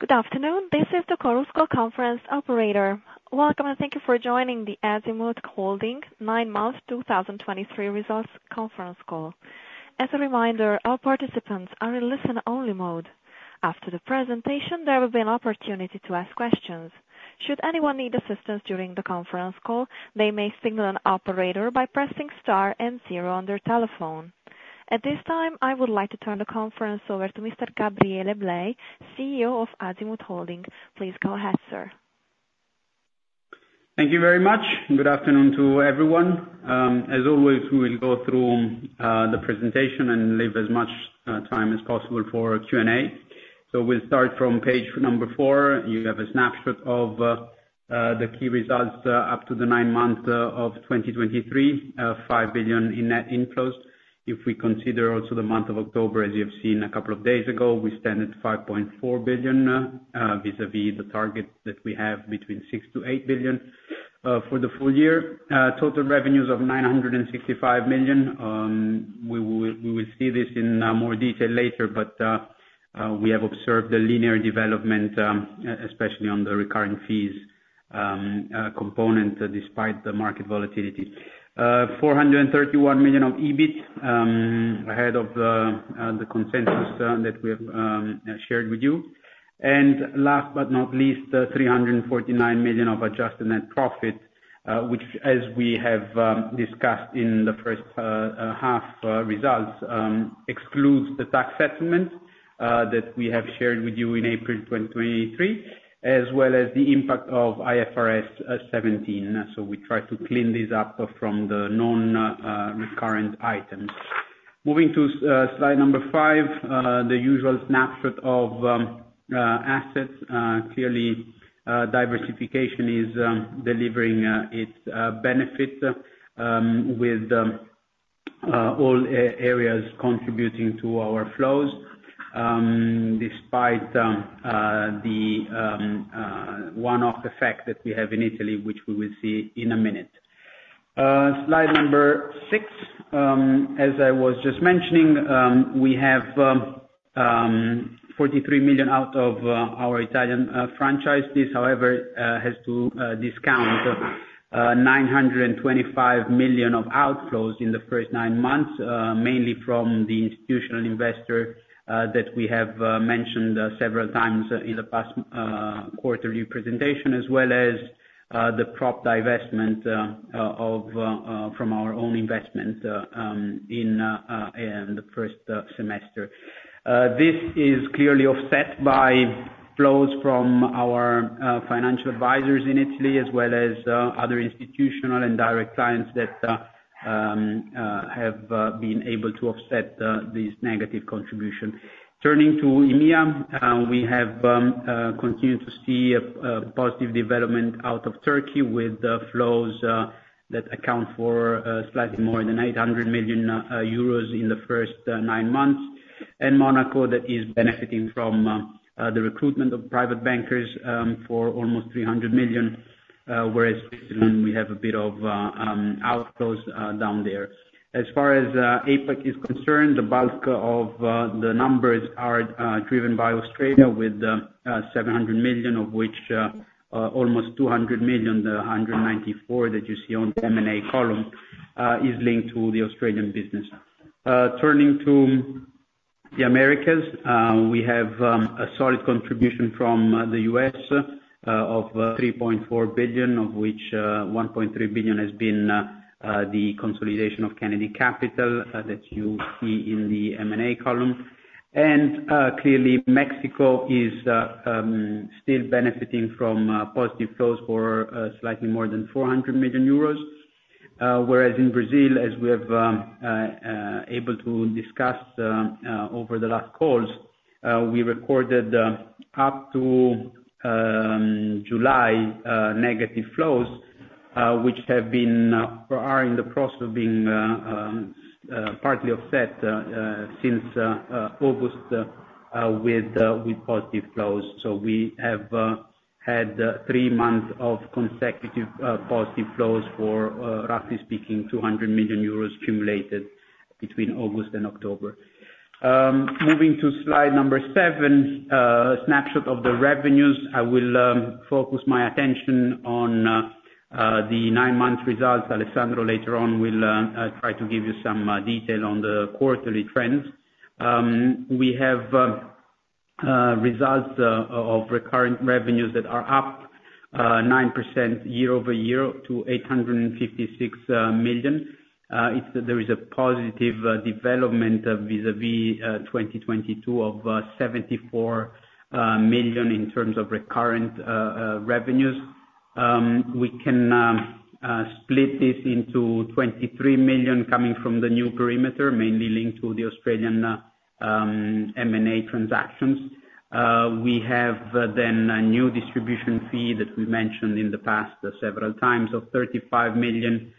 Good afternoon. This is the Chorus Call Conference Operator. Welcome, and thank you for joining the Azimut Holding Nine-Month 2023 Results Conference Call. As a reminder, all participants are in listen-only mode. After the presentation, there will be an opportunity to ask questions. Should anyone need assistance during the conference call, they may signal an operator by pressing star and zero on their telephone. At this time, I would like to turn the conference over to Mr. Gabriele Blei, CEO of Azimut Holding. Please go ahead, sir. Thank you very much. Good afternoon to everyone. As always, we will go through the presentation and leave as much time as possible for Q&A. So we'll start from page number four. You have a snapshot of the key results up to the nine month of 2023. 5 billion in net inflows. If we consider also the month of October, as you have seen a couple of days ago, we stand at 5.4 billion vis-à-vis the target that we have between 6-8 billion. For the full year, total revenues of 965 million. We will see this in more detail later, but we have observed a linear development especially on the recurring fees component, despite the market volatility. 431 million of EBIT, ahead of the consensus that we have shared with you. And last but not least, 349 million of adjusted net profit, which as we have discussed in the first half results, excludes the tax settlement that we have shared with you in April 2023, as well as the impact of IFRS 17. So we try to clean this up from the known recurrent items. Moving to slide number five, the usual snapshot of assets. Clearly, diversification is delivering its benefit with all areas contributing to our flows, despite the one-off effect that we have in Italy, which we will see in a minute. Slide number six. As I was just mentioning, we have 43 million out of our Italian franchise. This, however, has to discount 925 million of outflows in the first nine months, mainly from the institutional investor that we have mentioned several times in the past quarterly presentation, as well as the prop divestment of from our own investment in the first semester. This is clearly offset by flows from our financial advisors in Italy, as well as other institutional and direct clients that have been able to offset this negative contribution. Turning to EMEA, we have continued to see a positive development out of Turkey with the flows that account for slightly more than 800 million euros in the first nine months, and Monaco that is benefiting from the recruitment of private bankers for almost 300 million, whereas Switzerland, we have a bit of outflows down there. As far as APAC is concerned, the bulk of the numbers are driven by Australia with 700 million, of which almost 200 million, the 194 that you see on the M&A column is linked to the Australian business. Turning to the Americas, we have a solid contribution from the U.S. of 3.4 billion, of which 1.3 billion has been the consolidation of Kennedy Capital that you see in the M&A column. And clearly, Mexico is still benefiting from positive flows for slightly more than 400 million euros. Whereas in Brazil, as we have able to discuss over the last calls, we recorded up to July negative flows, which have been are in the process of being partly offset since August with positive flows. So we have had 3 months of consecutive positive flows for roughly speaking 200 million euros accumulated between August and October. Moving to slide number seven, snapshot of the revenues. I will focus my attention on the nine-month results. Alessandro, later on, will try to give you some detail on the quarterly trends. We have results of recurring revenues that are up 9% year-over-year to 856 million. It's. There is a positive development vis-à-vis 2022 of 74 million in terms of recurrent revenues. We can split this into 23 million coming from the new perimeter, mainly linked to the Australian M&A transactions. We have then a new distribution fee that we mentioned in the past several times of 35 million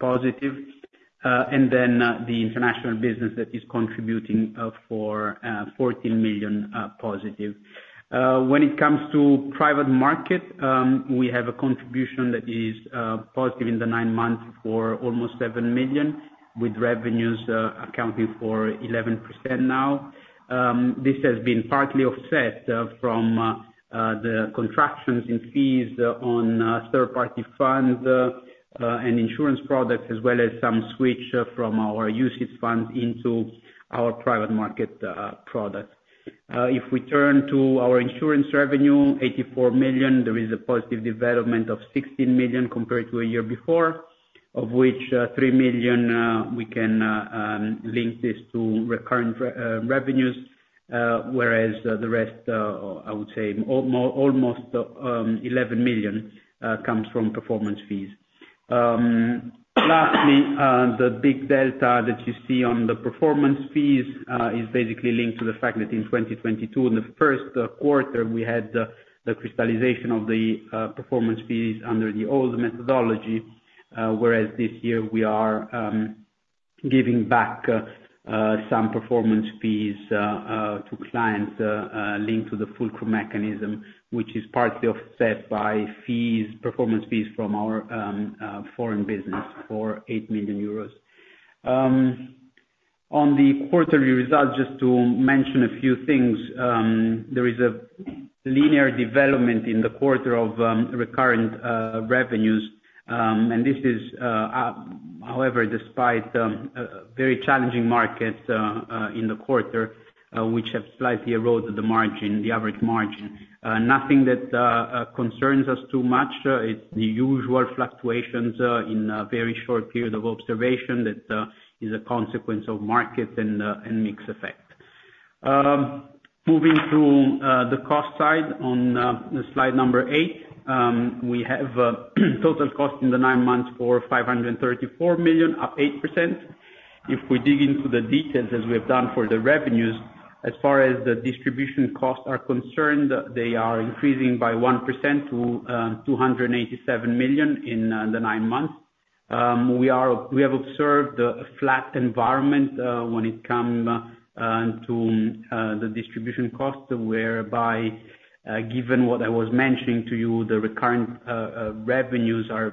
positive, and then the international business that is contributing for 14 million positive. When it comes to private market, we have a contribution that is positive in the nine months for almost 7 million, with revenues accounting for 11% now. This has been partly offset from the contractions in fees on third party funds and insurance products, as well as some switch from our usage funds into our private market product. If we turn to our insurance revenue, 84 million, there is a positive development of 16 million compared to a year before, of which, 3 million, we can link this to recurrent revenues, whereas the rest, I would say, almost 11 million, comes from performance fees. Lastly, the big delta that you see on the performance fees is basically linked to the fact that in 2022, in the first quarter, we had the crystallization of the performance fees under the old methodology, whereas this year we are giving back some performance fees to clients linked to the clawback mechanism, which is partly offset by performance fees from our foreign business for 8 million euros. On the quarterly results, just to mention a few things, there is a linear development in the quarter of recurrent revenues. And this is, however, despite a very challenging market in the quarter, which have slightly eroded the margin, the average margin. Nothing that concerns us too much. It's the usual fluctuations in a very short period of observation, that is a consequence of market and mix effect. Moving through the cost side on slide number eight, we have total cost in the nine months for 534 million, up 8%. If we dig into the details, as we have done for the revenues, as far as the distribution costs are concerned, they are increasing by 1% to 287 million in the nine months. We have observed a flat environment when it comes to the distribution costs, whereby, given what I was mentioning to you, the recurrent revenues are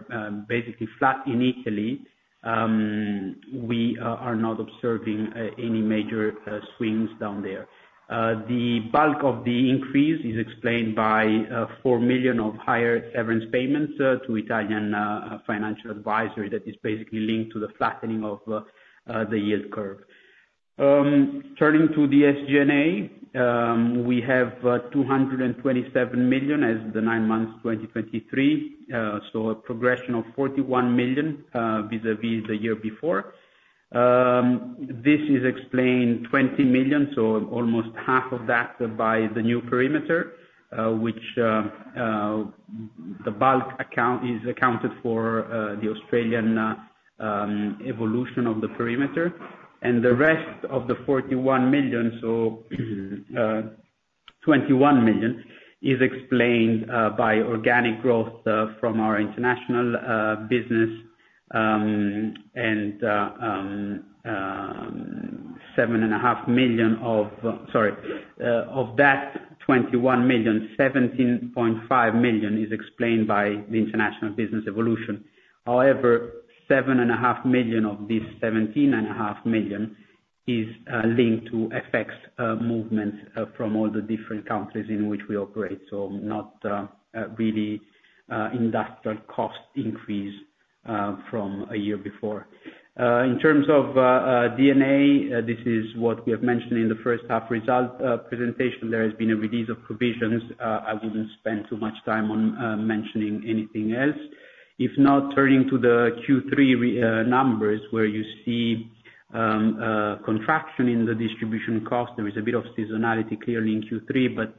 basically flat in Italy. We are not observing any major swings down there. The bulk of the increase is explained by 4 million of higher severance payments to Italian financial advisors, that is basically linked to the flattening of the yield curve. Turning to the SG&A, we have 227 million as of the nine months, 2023. So a progression of 41 million vis-à-vis the year before. This is explained 20 million, so almost half of that by the new perimeter, which the bulk accounted for the Australian evolution of the perimeter. And the rest of the 41 million, so 21 million, is explained by organic growth from our international business, and 7,500,000 of, sorry, of that 21 million, 17.5 million is explained by the international business evolution. However, 7.5 million of these 17.5 million is linked to FX movement from all the different countries in which we operate. So not really industrial cost increase from a year before. In terms of D&A, this is what we have mentioned in the first half result presentation. There has been a release of provisions. I wouldn't spend too much time on mentioning anything else. If not, turning to the Q3 revenues numbers, where you see contraction in the distribution cost, there is a bit of seasonality clearly in Q3, but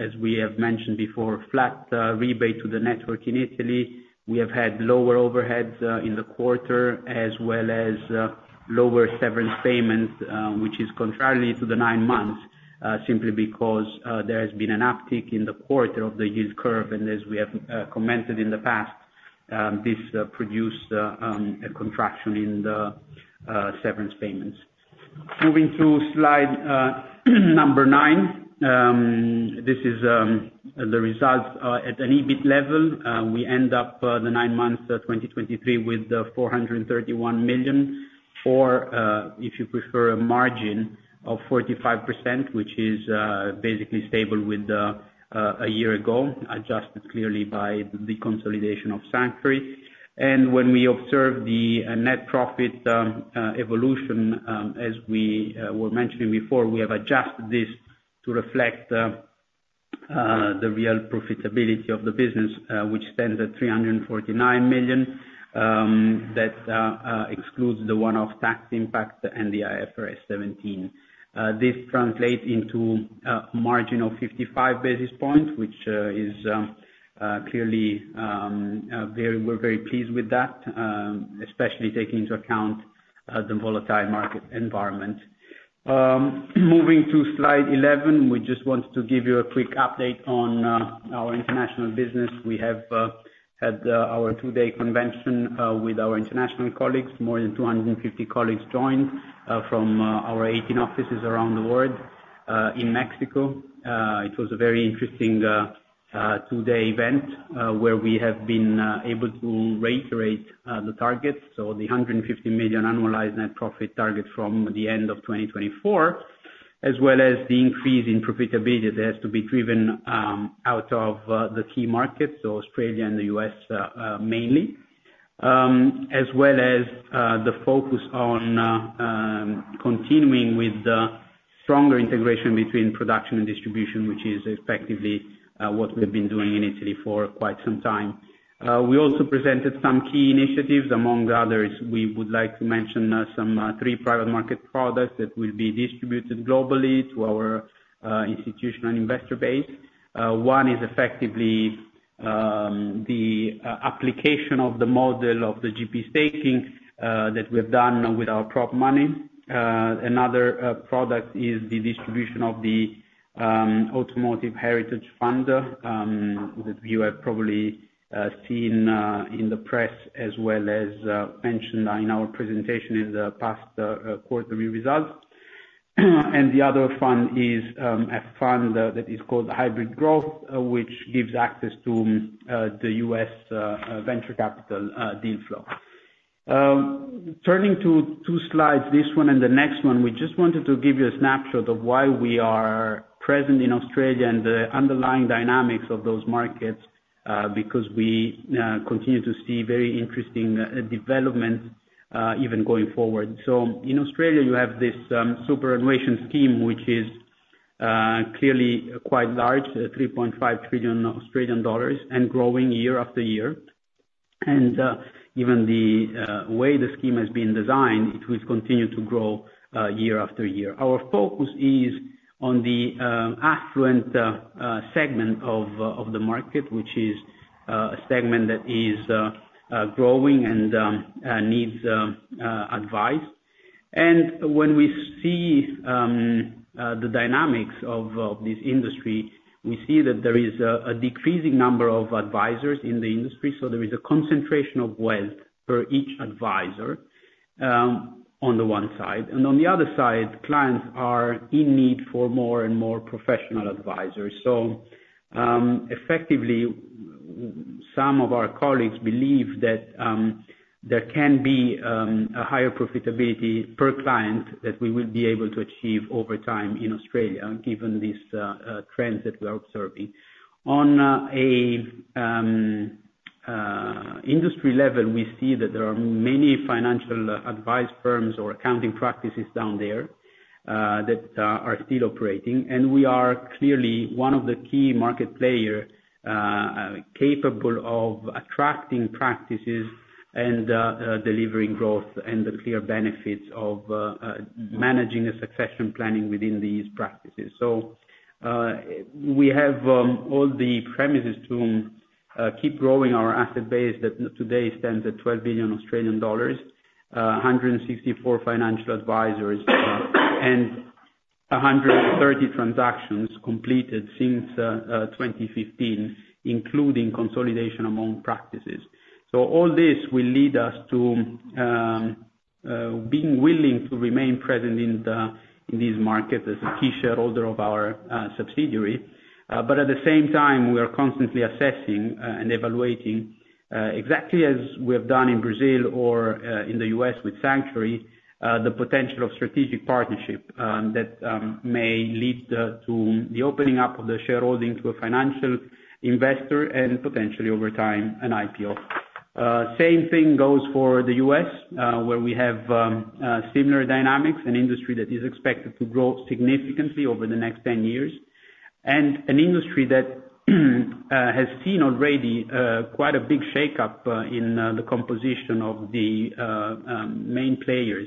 as we have mentioned before, flat rebate to the network in Italy. We have had lower overheads in the quarter, as well as lower severance payments, which is contrarily to the nine months, simply because there has been an uptick in the quarter of the yield curve. And as we have commented in the past, this produced a contraction in the severance payments. Moving to slide nine, this is the results at an EBIT level. We end up the nine months 2023 with 431 million, or, if you prefer, a margin of 45%, which is basically stable with a year ago, adjusted clearly by the consolidation of Sanctuary. And when we observe the net profit evolution, as we were mentioning before, we have adjusted this to reflect the real profitability of the business, which stands at 349 million, that excludes the one-off tax impact and the IFRS 17. This translate into a margin of 55 basis points, which is clearly very, we're very pleased with that, especially taking into account the volatile market environment. Moving to slide 11, we just wanted to give you a quick update on our international business. We have had our two-day convention with our international colleagues. More than 250 colleagues joined from our 18 offices around the world. In Mexico, it was a very interesting two-day event where we have been able to reiterate the targets. So the 150 million annualized net profit target from the end of 2024, as well as the increase in profitability that has to be driven out of the key markets, so Australia and the U.S., mainly. As well as the focus on continuing with the stronger integration between production and distribution, which is effectively what we've been doing in Italy for quite some time. We also presented some key initiatives, among others, we would like to mention some three private market products that will be distributed globally to our institutional investor base. One is effectively the application of the model of the GP staking that we have done with our prop money. Another product is the distribution of the Automotive Heritage Fund that you have probably seen in the press, as well as mentioned in our presentation in the past quarterly results. And the other fund is a fund that is called Hybrid Growth, which gives access to the U.S. venture capital deal flow. Turning to two slides, this one and the next one, we just wanted to give you a snapshot of why we are present in Australia and the underlying dynamics of those markets because we continue to see very interesting developments even going forward. In Australia, you have this superannuation scheme, which is clearly quite large, 3.5 trillion Australian dollars and growing year after year. Given the way the scheme has been designed, it will continue to grow year after year. Our focus is on the affluent segment of the market, which is a segment that is growing and needs advice. When we see the dynamics of this industry, we see that there is a decreasing number of advisors in the industry, so there is a concentration of wealth per each advisor on the one side, and on the other side, clients are in need for more and more professional advisors. Effectively, some of our colleagues believe that there can be a higher profitability per client that we will be able to achieve over time in Australia, given these trends that we are observing. On an industry level, we see that there are many financial advice firms or accounting practices down there that are still operating, and we are clearly one of the key market player capable of attracting practices and delivering growth and the clear benefits of managing a succession planning within these practices. So we have all the premises to keep growing our asset base, that today stands at 12 billion Australian dollars, 164 financial advisors, and 130 transactions completed since 2015, including consolidation among practices. So all this will lead us to being willing to remain present in this market as a key shareholder of our subsidiary. But at the same time, we are constantly assessing and evaluating exactly as we have done in Brazil or in the U.S. with Sanctuary, the potential of strategic partnership that may lead to the opening up of the shareholding to a financial investor and potentially over time, an IPO. Same thing goes for the U.S. where we have similar dynamics, an industry that is expected to grow significantly over the next 10 years. An industry that has seen already quite a big shakeup in the composition of the main players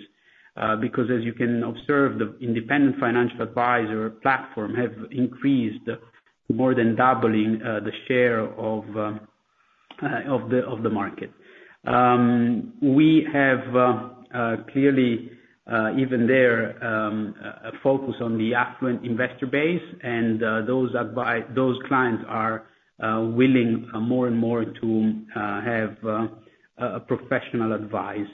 because as you can observe, the independent financial advisor platform have increased, more than doubling the share of the market. We have clearly even there a focus on the affluent investor base and those clients are willing more and more to have a professional advice.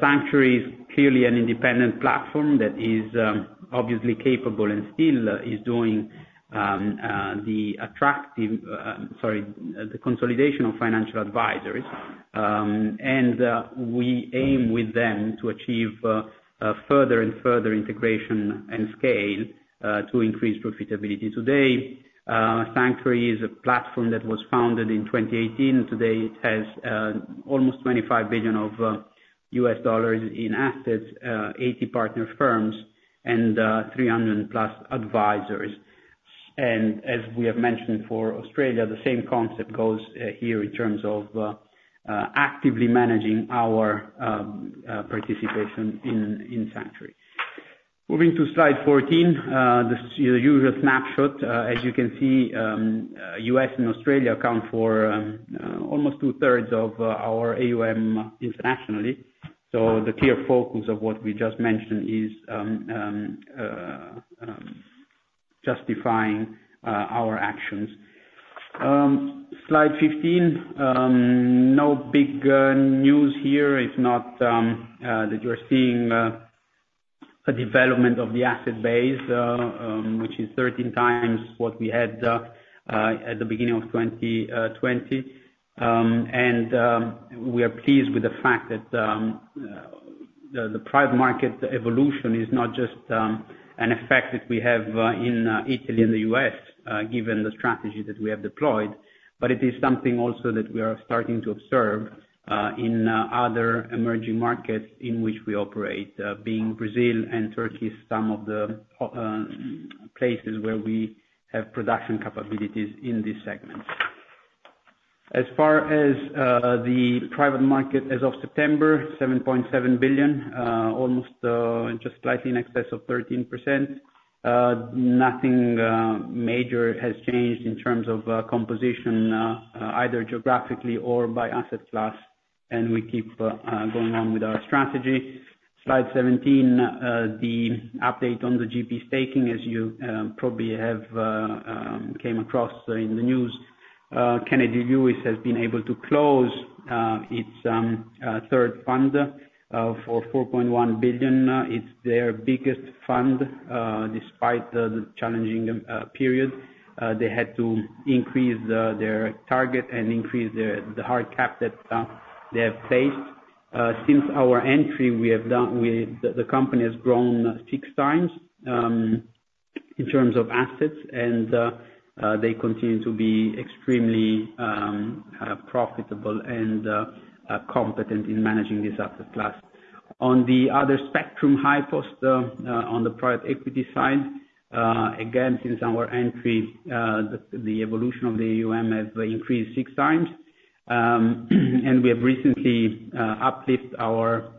Sanctuary is clearly an independent platform that is obviously capable and still is doing the attractive, sorry, the consolidation of financial advisories. And we aim with them to achieve further and further integration and scale to increase profitability. Today, Sanctuary is a platform that was founded in 2018, and today it has almost $25 billion in assets, 80 partner firms, and 300+ advisors. And as we have mentioned for Australia, the same concept goes here in terms of actively managing our participation in Sanctuary. Moving to slide 14, this, the usual snapshot. As you can see, U.S. and Australia account for almost two-thirds of our AUM internationally. So the clear focus of what we just mentioned is justifying our actions. Slide 15, no big news here. If not, that you're seeing a development of the asset base, which is 13 times what we had at the beginning of 2020. We are pleased with the fact that the private market evolution is not just an effect that we have in Italy and the U.S., given the strategy that we have deployed, but it is something also that we are starting to observe in other emerging markets in which we operate, being Brazil and Turkey, some of the places where we have production capabilities in these segments. As far as the private market, as of September, 7.7 billion, almost just slightly in excess of 13%. Nothing major has changed in terms of composition, either geographically or by asset class, and we keep going on with our strategy. Slide 17, the update on the GP staking, as you probably have came across in the news. Kennedy Lewis has been able to close its third fund for $4.1 billion. It's their biggest fund, despite the challenging period, they had to increase their target and increase the hard cap that they have faced. Since our entry, the company has grown six times in terms of assets, and they continue to be extremely profitable and competent in managing this asset class. On the other spectrum, HighPost on the private equity side, again, since our entry, the evolution of the AUM has increased six times. And we have recently uplift our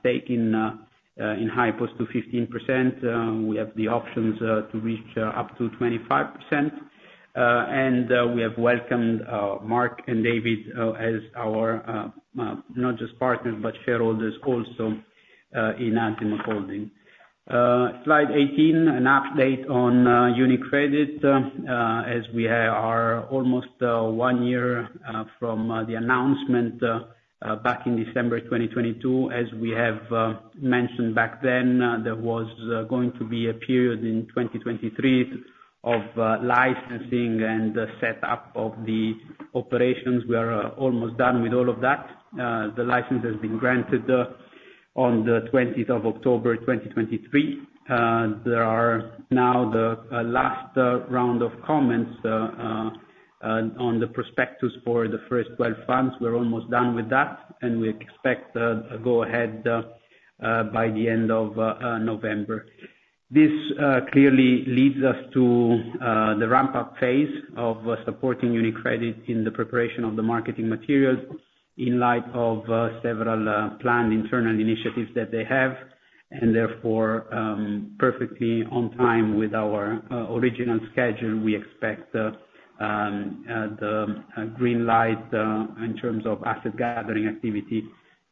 stake in HighPost to 15%. We have the options to reach up to 25%. And we have welcomed Mark and David as our not just partners, but shareholders also in Azimut Holding. Slide 18, an update on UniCredit. As we are almost one year from the announcement back in December 2022. As we have mentioned back then, there was going to be a period in 2023 of licensing and the setup of the operations. We are almost done with all of that. The license has been granted on the twentieth of October 2023. There are now the last round of comments on the prospectus for the first 12 months. We're almost done with that, and we expect a go-ahead by the end of November. This clearly leads us to the ramp-up phase of supporting UniCredit in the preparation of the marketing materials in light of several planned internal initiatives that they have, and therefore, perfectly on time with our original schedule, we expect the green light in terms of asset gathering activity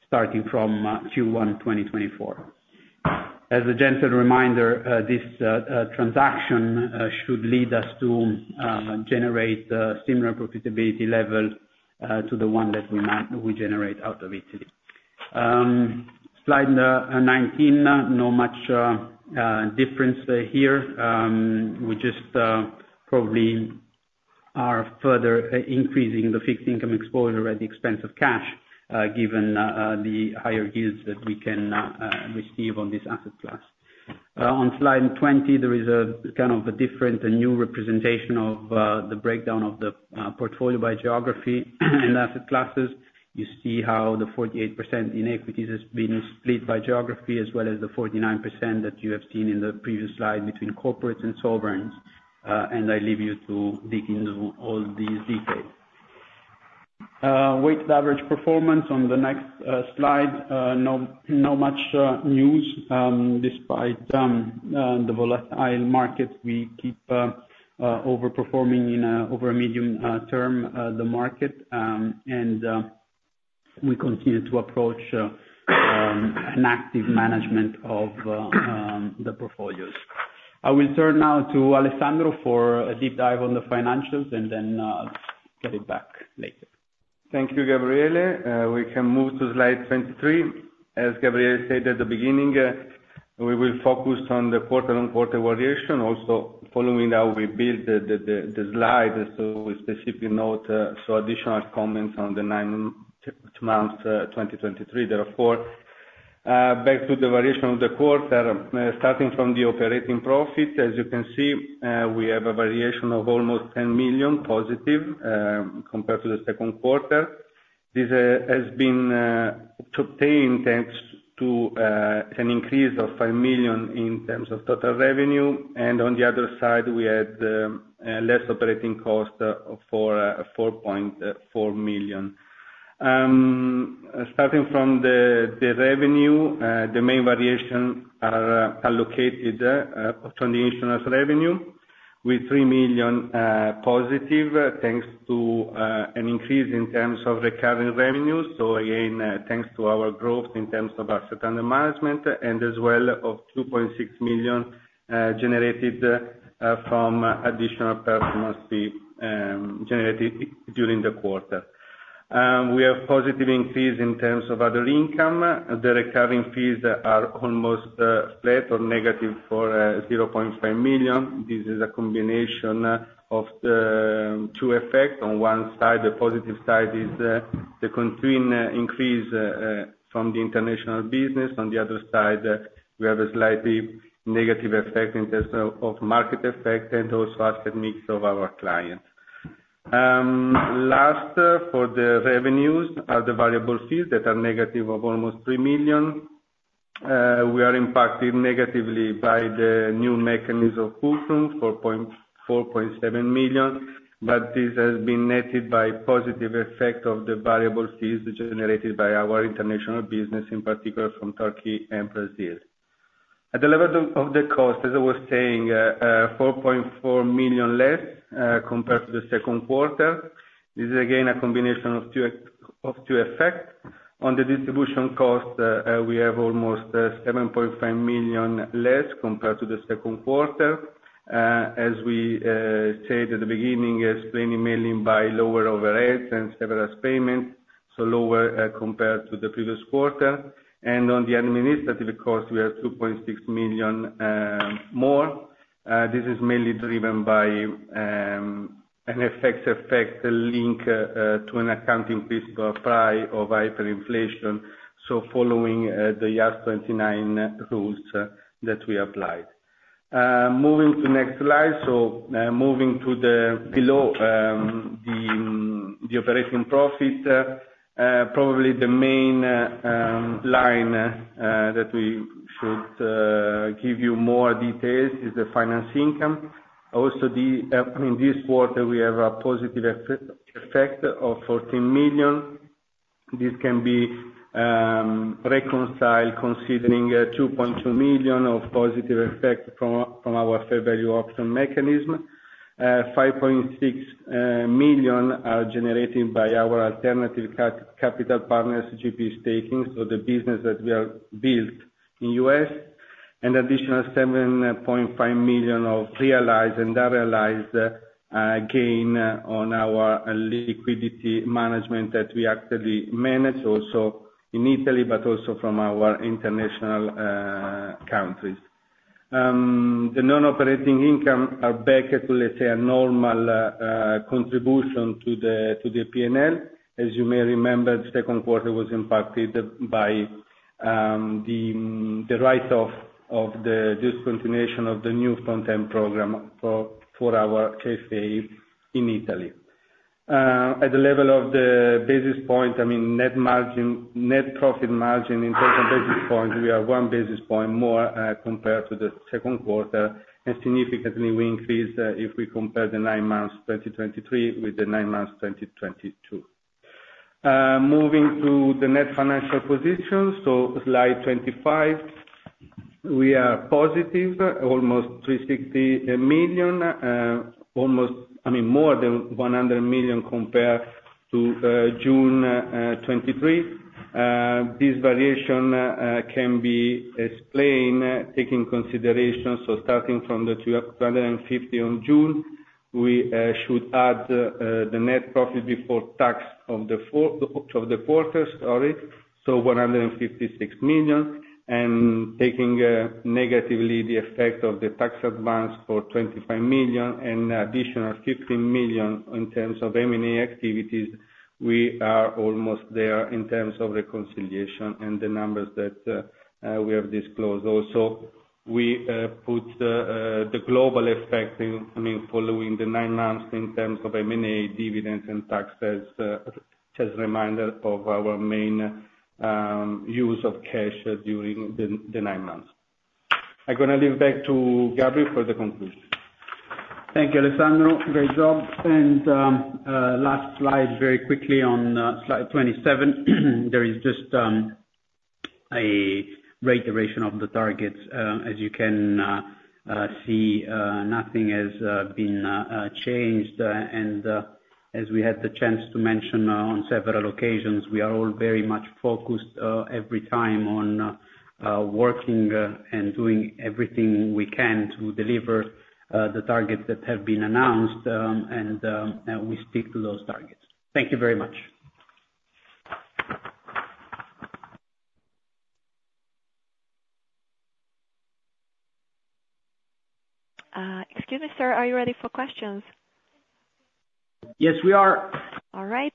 starting from Q1 2024. As a gentle reminder, this transaction should lead us to generate similar profitability level to the one that we now, we generate out of Italy. Slide 19, not much difference here. We just probably are further increasing the fixed income exposure at the expense of cash, given the higher yields that we can receive on this asset class. On slide 20, there is a kind of a different and new representation of the breakdown of the portfolio by geography and asset classes. You see how the 48% in equities has been split by geography, as well as the 49% that you have seen in the previous slide between corporates and sovereigns. I leave you to dig into all these details. Weighted average performance on the next slide. Not much news, despite the volatile market, we keep overperforming in over a medium term the market. We continue to approach an active management of the portfolios. I will turn now to Alessandro for a deep dive on the financials, and then get it back later. Thank you, Gabriele. We can move to slide 23. As Gabriele said at the beginning, we will focus on the quarter-on-quarter variation. Also, following how we built the slide, so we specifically note so additional comments on the nine months 2023. Therefore, back to the variation of the quarter. Starting from the operating profit, as you can see, we have a variation of almost 10 million positive compared to the second quarter. This has been to paying thanks to an increase of 5 million in terms of total revenue, and on the other side, we had less operating costs for 4.4 million. Starting from the revenue, the main variations are allocated from the international revenue with 3 million positive, thanks to an increase in terms of recurring revenues. So again, thanks to our growth in terms of asset under management, and as well of 2.6 million generated from additional performance fee generated during the quarter. We have positive increase in terms of other income. The recurring fees are almost flat or negative for 0.5 million. This is a combination of two effects. On one side, the positive side, is the continuing increase from the international business, on the other side, we have a slightly negative effect in terms of market effect and also asset mix of our clients. Last, for the revenues, are the variable fees that are negative of almost 3 million. We are impacted negatively by the new mechanism of 4.7 million, but this has been netted by positive effect of the variable fees, which is generated by our international business, in particular from Turkey and Brazil. At the level of the cost, as I was saying, 4.4 million less compared to the second quarter. This is again a combination of two effects. On the distribution cost, we have almost 7.5 million less compared to the second quarter. As we said at the beginning, explained mainly by lower overheads and several payments, so lower compared to the previous quarter. And on the administrative cost, we are 2.6 million more. This is mainly driven by an effect linked to an accounting principle applied to hyperinflation, so following the IFRS 29 rules that we applied. Moving to next slide. So, moving to below the operating profit, probably the main line that we should give you more details is the finance income. Also, in this quarter, we have a positive effect of 14 million. This can be reconciled, considering 2.2 million of positive effect from our fair value option mechanism. 5.6 million are generated by our alternative capital partners GP Staking, so the business that we are building in U.S. An additional 7.5 million of realized and unrealized gain on our liquidity management that we actually manage also in Italy, but also from our international countries. The non-operating income are back at, let's say, a normal contribution to the P&L. As you may remember, second quarter was impacted by the write-off of the discontinuation of the new content program for our SGR in Italy. At the level of the basis point, I mean, net margin, net profit margin in terms of basis points, we are one basis point more compared to the second quarter, and significantly we increase if we compare the nine months 2023 with the nine months 2022. Moving to the net financial position, so slide 25. We are positive, almost 360 million, almost, I mean, more than 100 million compared to June 2023. This variation can be explained, taking consideration, so starting from the 250 on June, we should add the net profit before tax of the four quarters, sorry, so 156 million, and taking negatively the effect of the tax advance for 25 million and additional 15 million in terms of M&A activities, we are almost there in terms of reconciliation and the numbers that we have disclosed. Also, we put the global effect in, I mean, following the nine months in terms of M&A, dividends, and taxes, just a reminder of our main use of cash during the nine months. I'm gonna leave back to Gabriele for the conclusion. Thank you, Alessandro. Great job. Last slide, very quickly on slide 27. There is just a reiteration of the targets. As you can see, nothing has been changed, and as we had the chance to mention on several occasions, we are all very much focused every time on working and doing everything we can to deliver the targets that have been announced, and we speak to those targets. Thank you very much. Excuse me, sir, are you ready for questions? Yes, we are. All right.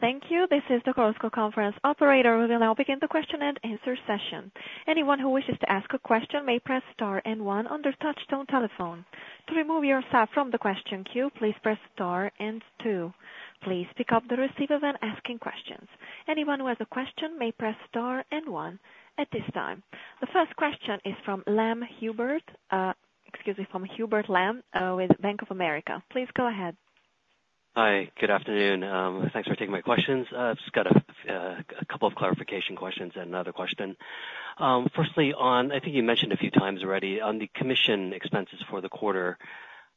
Thank you. This is the conference operator. We'll now begin the question and answer session. Anyone who wishes to ask a question may press star and one on their touch-tone telephone. To remove yourself from the question queue, please press star and two. Please pick up the receiver when asking questions. Anyone who has a question may press star and one at this time. The first question is from Lam Hubert, excuse me, from Hubert Lam, with Bank of America. Please go ahead. Hi, good afternoon. Thanks for taking my questions. I've just got a couple of clarification questions and another question. Firstly, on, I think you mentioned a few times already, on the commission expenses for the quarter,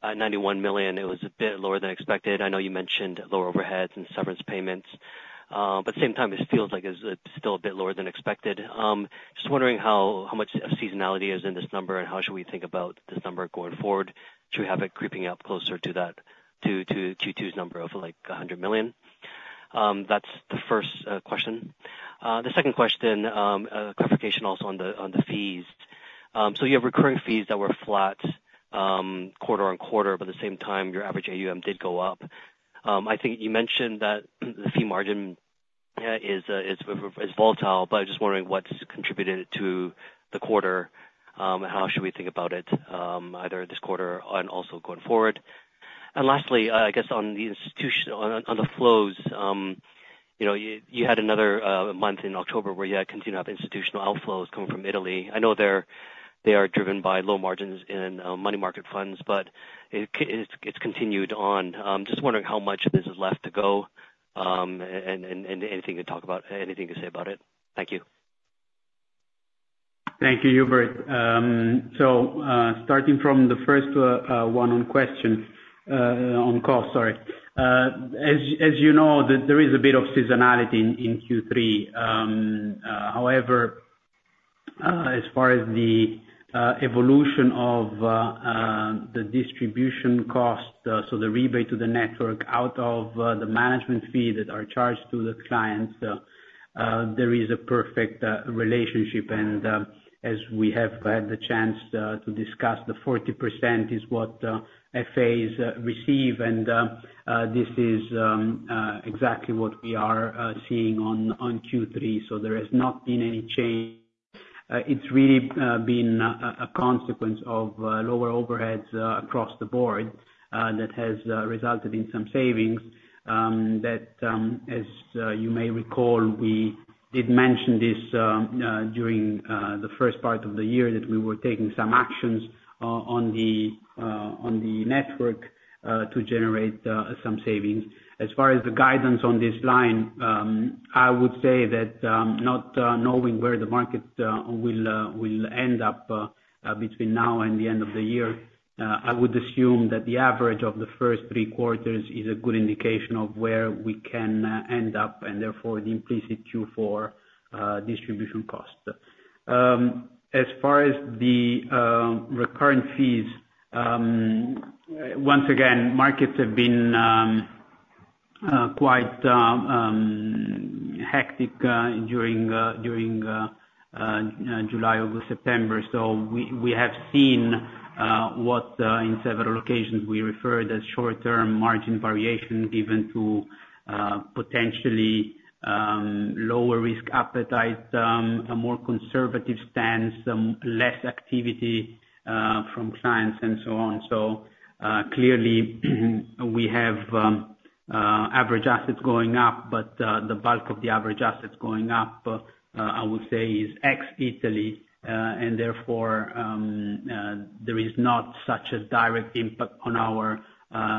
91 million, it was a bit lower than expected. I know you mentioned lower overheads and severance payments, but same time it feels like it's, it's still a bit lower than expected. Just wondering how, how much seasonality is in this number, and how should we think about this number going forward? Should we have it creeping up closer to that, to Q2's number of, like, 100 million? That's the first question. The second question, a clarification also on the fees. So you have recurring fees that were flat, quarter-on-quarter, but at the same time, your average AUM did go up. I think you mentioned that the fee margin is volatile, but I'm just wondering what's contributed to the quarter, how should we think about it, either this quarter and also going forward? And lastly, I guess on the institutional flows, you know, you had another month in October where you had continued to have institutional outflows coming from Italy. I know they're driven by low margins in money market funds, but it's continued on. Just wondering how much of this is left to go, and anything to talk about, anything to say about it? Thank you. Thank you, Hubert. So, starting from the first one on question on call, sorry. As you know, there is a bit of seasonality in Q3. However, as far as the evolution of the distribution costs, so the rebate to the network out of the management fee that are charged to the clients, there is a perfect relationship. And, as we have had the chance to discuss, the 40% is what FAs receive, and this is exactly what we are seeing on Q3, so there has not been any change. It's really been a consequence of lower overheads across the board that has resulted in some savings, that as you may recall, we did mention this during the first part of the year, that we were taking some actions on the network to generate some savings. As far as the guidance on this line, I would say that not knowing where the market will end up between now and the end of the year, I would assume that the average of the first three quarters is a good indication of where we can end up, and therefore, the implicit Q4 distribution cost. As far as the recurring fees, once again, markets have been quite hectic during July, August, September. So we have seen what in several occasions we refer to as short-term margin variation, given to potentially lower risk appetite, a more conservative stance, less activity from clients and so on. So clearly, we have average assets going up, but the bulk of the average assets going up I would say is ex Italy, and therefore there is not such a direct impact on our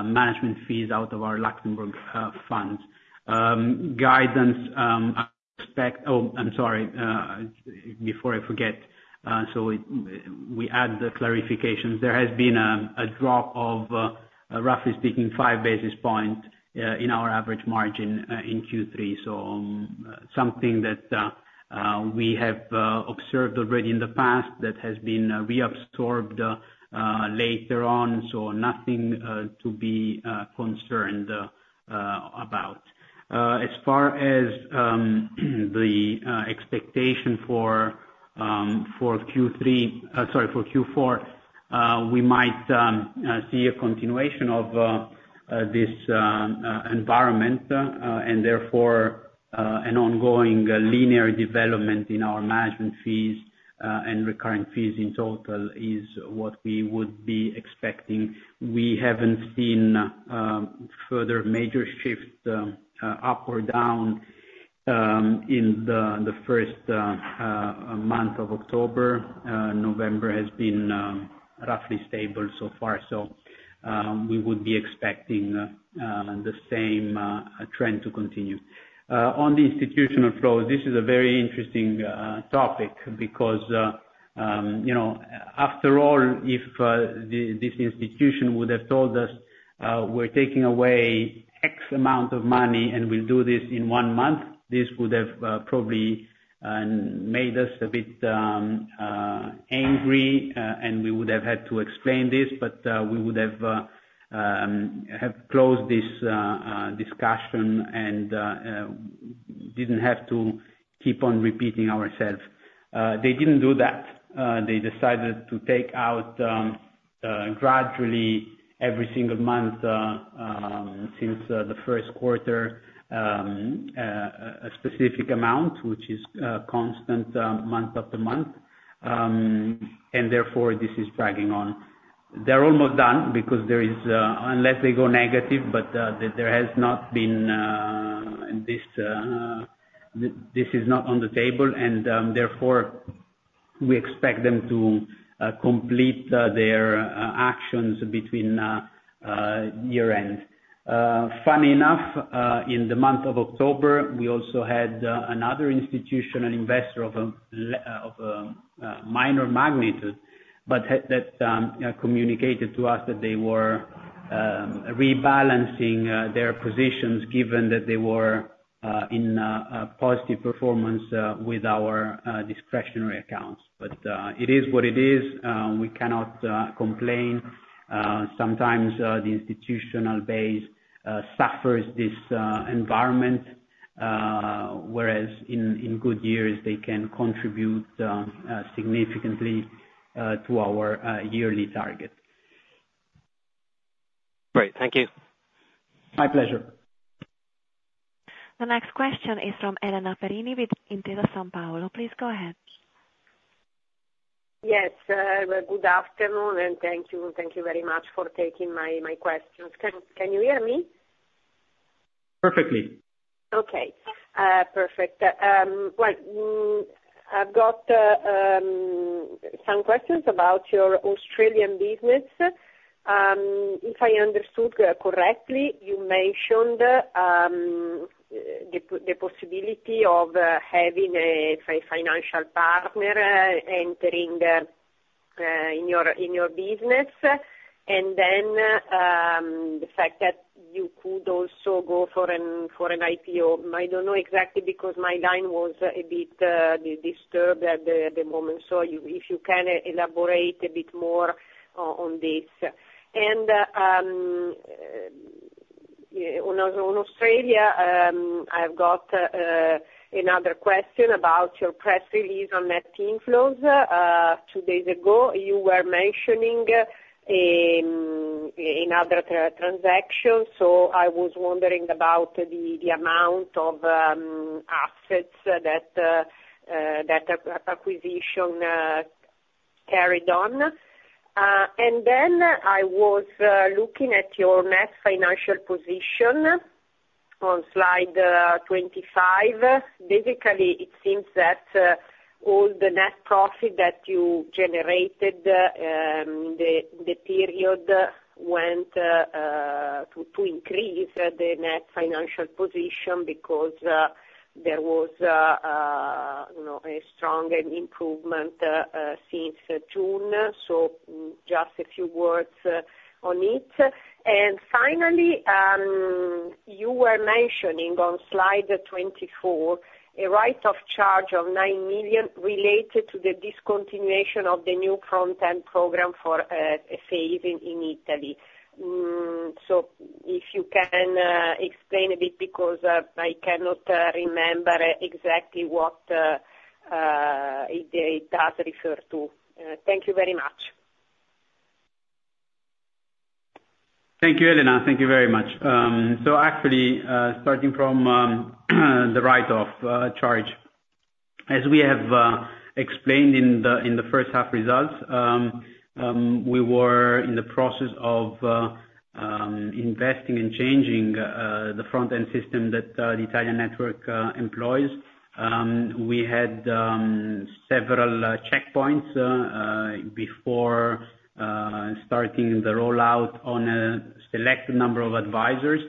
management fees out of our Luxembourg funds. Guidance, expect. Oh, I'm sorry, before I forget, so we add the clarifications. There has been a drop of, roughly speaking, 5 basis points in our average margin in Q3. So, something that we have observed already in the past, that has been reabsorbed later on, so nothing to be concerned about. As far as the expectation for Q3, sorry, for Q4, we might see a continuation of this environment and therefore an ongoing linear development in our management fees and recurring fees in total is what we would be expecting. We haven't seen further major shifts up or down in the first month of October. November has been roughly stable so far, so we would be expecting the same trend to continue. On the institutional flow, this is a very interesting topic, because you know, after all, if this institution would have told us, "We're taking away X amount of money, and we'll do this in one month," this would have probably made us a bit angry, and we would have had to explain this, but we would have closed this discussion and didn't have to keep on repeating ourselves. They didn't do that. They decided to take out gradually every single month since the first quarter a specific amount, which is constant month after month, and therefore this is dragging on. They're almost done because, unless they go negative, but there has not been this; this is not on the table, and therefore we expect them to complete their actions between year-end. Funny enough, in the month of October, we also had another institutional investor of a minor magnitude, but that communicated to us that they were rebalancing their positions, given that they were in a positive performance with our discretionary accounts. But it is what it is, we cannot complain. Sometimes, the institutional base suffers this environment... whereas in good years, they can contribute significantly to our yearly target. Great, thank you. My pleasure. The next question is from Elena Perini, with Intesa Sanpaolo. Please go ahead. Yes, good afternoon, and thank you, thank you very much for taking my questions. Can you hear me? Perfectly. Okay. Perfect. Well, I've got some questions about your Australian business. If I understood correctly, you mentioned the possibility of having a financial partner entering in your business. And then the fact that you could also go for an IPO. I don't know exactly, because my line was a bit disturbed at the moment, so if you can elaborate a bit more on this. And on Australia, I've got another question about your press release on net inflows. Two days ago, you were mentioning in other transactions, so I was wondering about the amount of assets that acquisition carried on. And then I was looking at your net financial position on slide 25. Basically, it seems that all the net profit that you generated the period went to increase the net financial position, because there was you know a strong improvement since June, so just a few words on it. And finally, you were mentioning on slide 24, a write-off charge of 9 million related to the discontinuation of the new front end program for phase in in Italy. So if you can explain a bit, because I cannot remember exactly what it does refer to. Thank you very much. Thank you, Elena. Thank you very much. So actually, starting from the write-off charge. As we have explained in the first half results, we were in the process of investing and changing the front end system that the Italian network employs. We had several checkpoints before starting the rollout on a select number of advisors.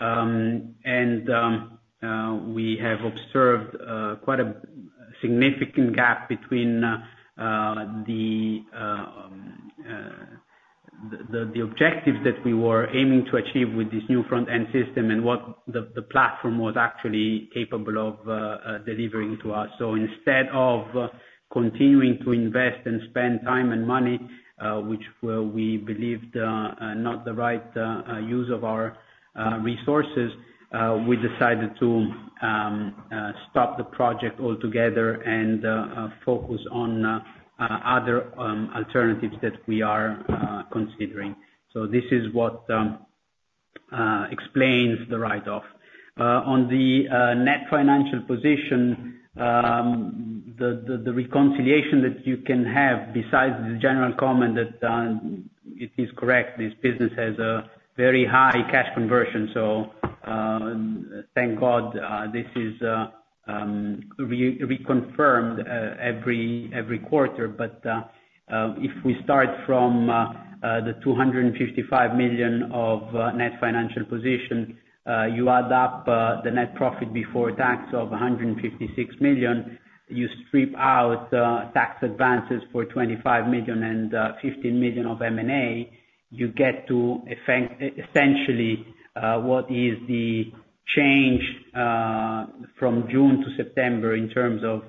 And we have observed quite a significant gap between the objectives that we were aiming to achieve with this new front end system, and what the platform was actually capable of delivering to us. So instead of continuing to invest and spend time and money, which we believed are not the right use of our resources, we decided to stop the project altogether and focus on other alternatives that we are considering. So this is what explains the write-off. On the net financial position, the reconciliation that you can have, besides the general comment that it is correct, this business has a very high cash conversion, so thank God, this is reconfirmed every quarter. But if we start from the 255 million of net financial position, you add up the net profit before tax of 156 million, you strip out tax advances for 25 million and 15 million of M&A, you get to essentially what is the change from June to September in terms of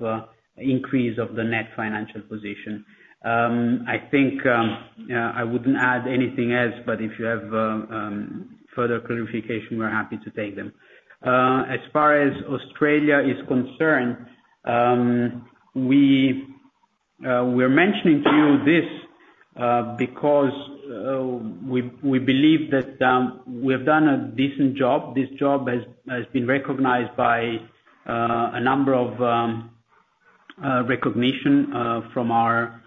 increase of the net financial position. I think I wouldn't add anything else, but if you have further clarification, we're happy to take them. As far as Australia is concerned, we're mentioning to you this because we believe that we've done a decent job. This job has been recognized by a number of recognitions from our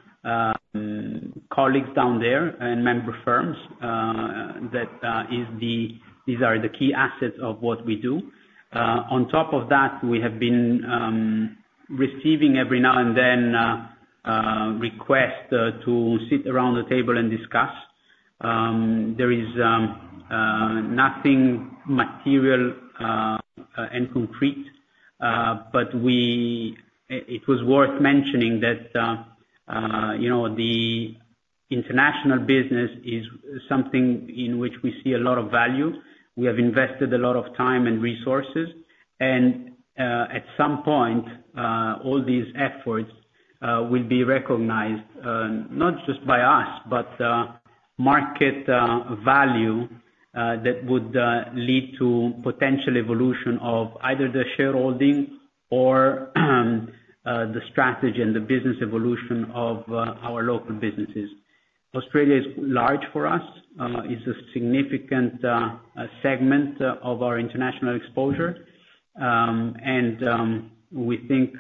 colleagues down there and member firms that is the, these are the key assets of what we do. On top of that, we have been receiving every now and then requests to sit around the table and discuss. There is nothing material and concrete, but we, it was worth mentioning that, you know, the international business is something in which we see a lot of value. We have invested a lot of time and resources, and at some point all these efforts will be recognized not just by us, but. Market value that would lead to potential evolution of either the shareholding or the strategy and the business evolution of our local businesses. Australia is large for us, it's a significant segment of our international exposure, and we think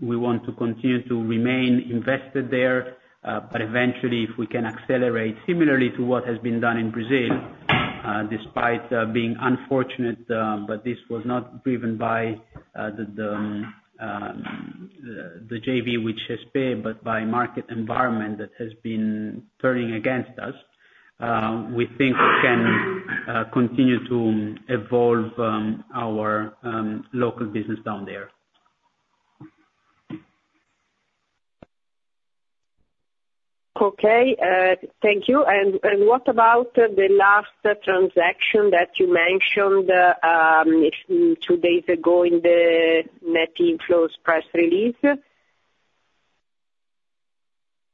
we want to continue to remain invested there, but eventually if we can accelerate similarly to what has been done in Brazil, despite being unfortunate, but this was not driven by the JV which has paid, but by market environment that has been turning against us, we think we can continue to evolve our local business down there. Okay, thank you. And what about the last transaction that you mentioned two days ago in the net inflows press release?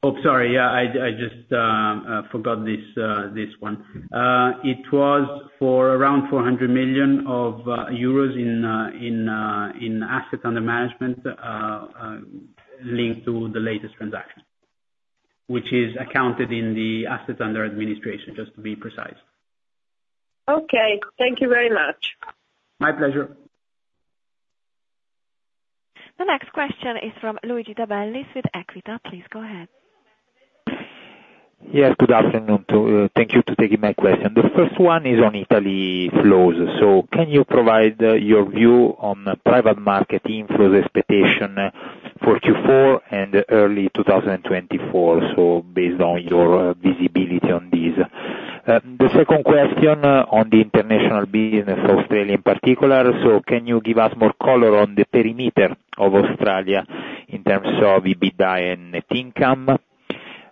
Oh, sorry, yeah, I'd just forgot this one. It was for around 400 million euros in asset under management linked to the latest transaction. Which is accounted in the assets under administration, just to be precise. Okay. Thank you very much. My pleasure. The next question is from Luigi De Bellis with Equita. Please go ahead. Yes, good afternoon. Thank you for taking my question. The first one is on Italy flows. So can you provide your view on the private market inflows expectation for Q4 and early 2024? So based on your visibility on this. The second question on the international business, Australia in particular. So can you give us more color on the perimeter of Australia in terms of EBITDA and net income?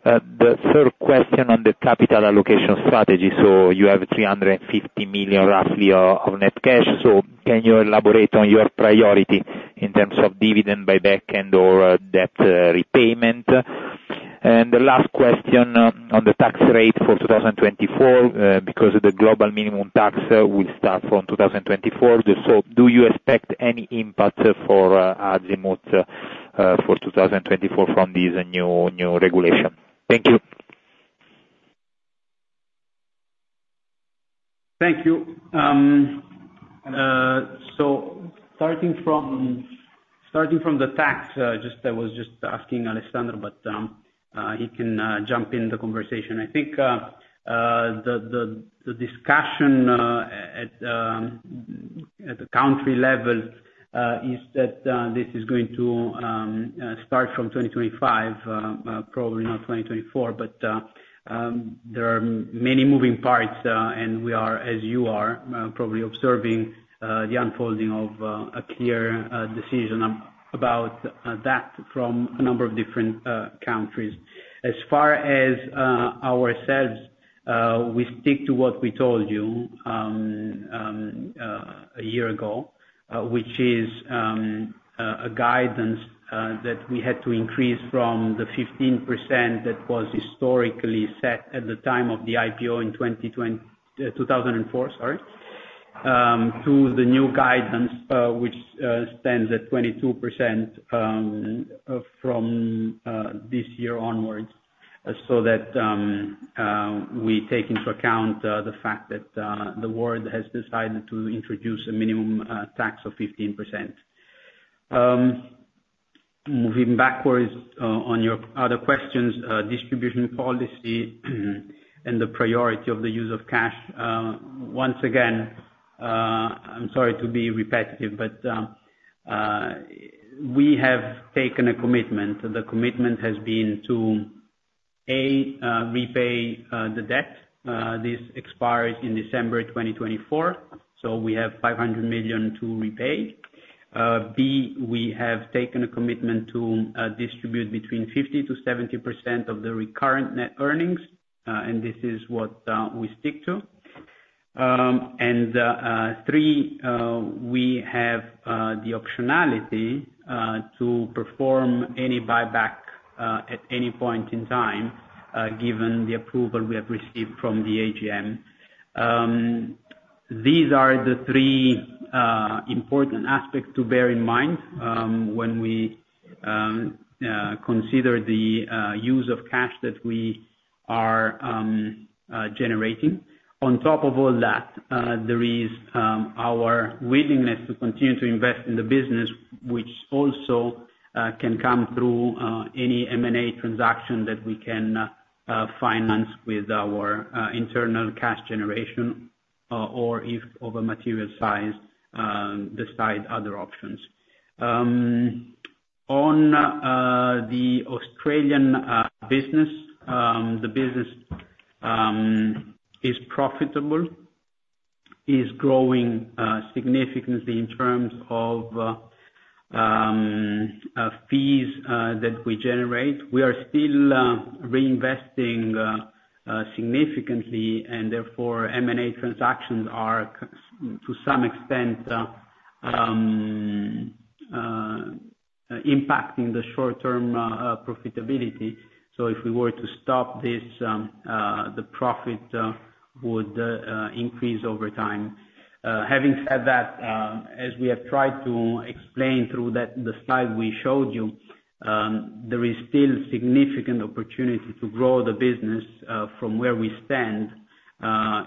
The third question on the capital allocation strategy. So you have 350 million, roughly, of net cash. So can you elaborate on your priority in terms of dividend buyback and/or debt repayment? And the last question on the tax rate for 2024, because of the global minimum tax will start from 2024. Do you expect any impact for Azimut for 2024 from this new regulation? Thank you. Thank you. So starting from the tax, just, I was just asking Alessandro, but he can jump in the conversation. I think the discussion at the country level is that this is going to start from 2025, probably not 2024. But there are many moving parts, and we are, as you are, probably observing, the unfolding of a clear decision about that from a number of different countries. As far as ourselves, we stick to what we told you a year ago, which is a guidance that we had to increase from the 15% that was historically set at the time of the IPO in 2004, sorry, to the new guidance, which stands at 22% from this year onwards. So that we take into account the fact that the world has decided to introduce a minimum tax of 15%. Moving backwards on your other questions, distribution policy, and the priority of the use of cash. Once again, I'm sorry to be repetitive, but we have taken a commitment. The commitment has been to, A, repay the debt. This expires in December 2024, so we have 500 million to repay. B, we have taken a commitment to distribute between 50%-70% of the recurrent net earnings, and this is what we stick to. Three, we have the optionality to perform any buyback at any point in time, given the approval we have received from the AGM. These are the three important aspects to bear in mind when we consider the use of cash that we are generating. On top of all that, there is our willingness to continue to invest in the business, which also can come through any M&A transaction that we can finance with our internal cash generation, or if over material size, decide other options. On the Australian business, the business is profitable, is growing significantly in terms of fees that we generate. We are still reinvesting significantly, and therefore, M&A transactions are to some extent impacting the short term profitability. So if we were to stop this, the profit would increase over time. Having said that, as we have tried to explain through the slide we showed you, there is still significant opportunity to grow the business from where we stand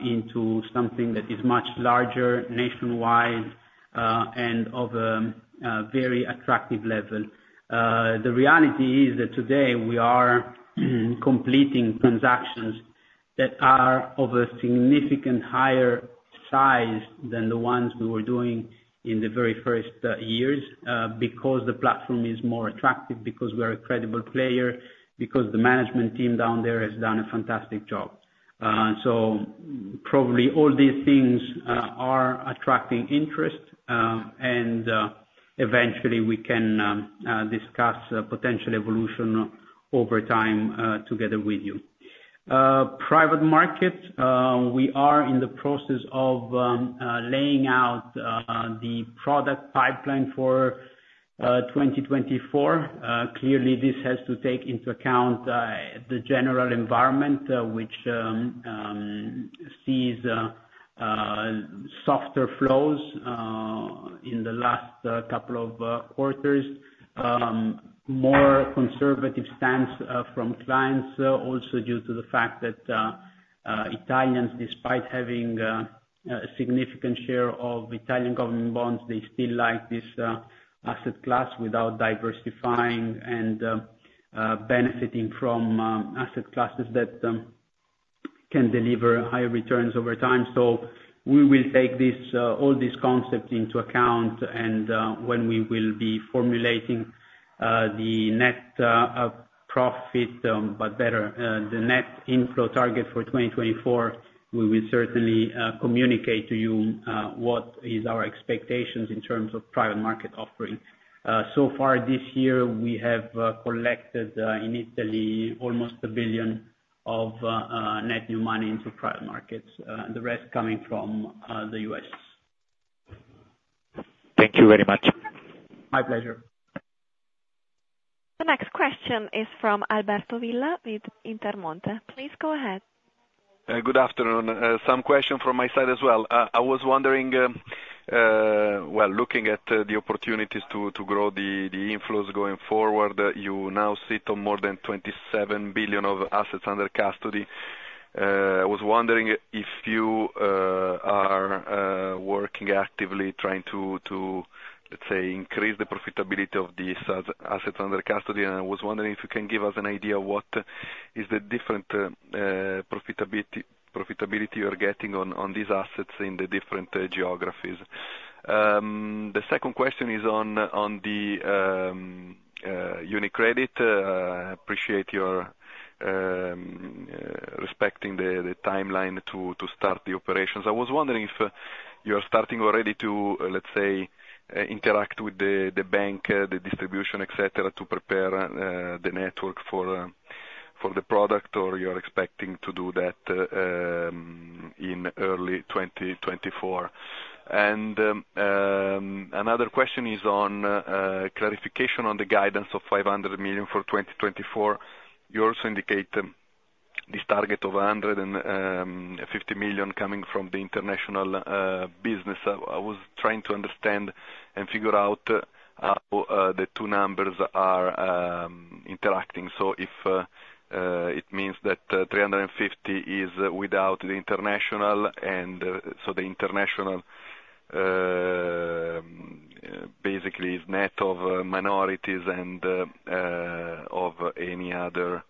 into something that is much larger, nationwide, and of a very attractive level. The reality is that today we are completing transactions that are of a significant higher size than the ones we were doing in the very first years because the platform is more attractive, because we're a credible player, because the management team down there has done a fantastic job. So probably all these things are attracting interest, and eventually we can discuss a potential evolution over time together with you. Private market, we are in the process of laying out the product pipeline for 2024. Clearly, this has to take into account the general environment, which sees softer flows in the last couple of quarters. More conservative stance from clients, also due to the fact that Italians, despite having a significant share of Italian government bonds, they still like this asset class without diversifying and benefiting from asset classes that can deliver higher returns over time. So we will take this all this concept into account, and when we will be formulating the net profit but better the net inflow target for 2024, we will certainly communicate to you what is our expectations in terms of private market offering. So far this year, we have collected in Italy almost 1 billion of net new money into private markets, and the rest coming from the US. Thank you very much. My pleasure. The next question is from Alberto Villa with Intermonte. Please go ahead. Good afternoon. Some question from my side as well. I was wondering, well, looking at the opportunities to grow the inflows going forward, you now sit on more than 27 billion of assets under custody. I was wondering if you are working actively trying to, let's say, increase the profitability of these assets under custody. And I was wondering if you can give us an idea of what is the different profitability you're getting on these assets in the different geographies. The second question is on UniCredit. Appreciate your respecting the timeline to start the operations. I was wondering if you are starting already to, let's say, interact with the bank, the distribution, et cetera, to prepare the network for the product, or you're expecting to do that in early 2024. Another question is on clarification on the guidance of 500 million for 2024. You also indicate this target of 150 million coming from the international business. I was trying to understand and figure out the two numbers are interacting. So if it means that 350 is without the international, and so the international basically is net of minorities and of any other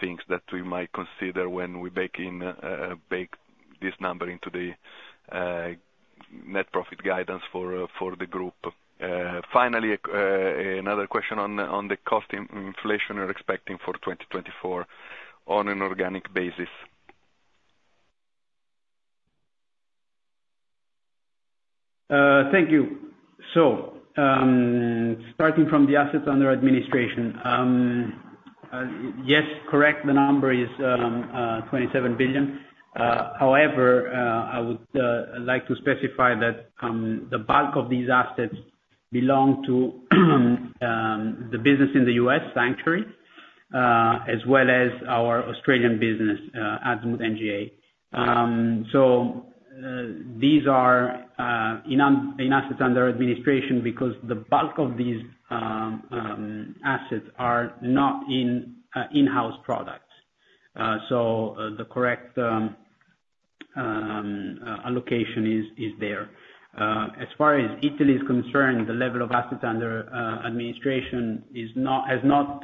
things that we might consider when we bake this number into the net profit guidance for the group. Finally, another question on the cost inflation you're expecting for 2024 on an organic basis. Thank you. So, starting from the assets under administration, yes, correct. The number is 27 billion. However, I would like to specify that the bulk of these assets belong to the business in the U.S., Sanctuary, as well as our Australian business, Azimut NGA. So, these are in assets under administration, because the bulk of these assets are not in-house products. So, the correct allocation is there. As far as Italy is concerned, the level of assets under administration has not